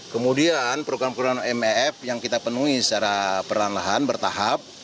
kemudian program program mef yang kita penuhi secara perlahan lahan bertahap